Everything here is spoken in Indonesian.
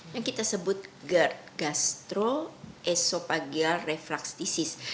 yang kita sebut gerd gastroesophageal reflex disease